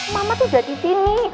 mama tuh udah di sini